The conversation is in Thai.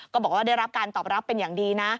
ก็บอกว่าได้รับการตอบรับเป็นอย่างดีนะ